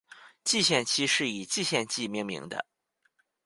蓟县期是以蓟县纪命名的。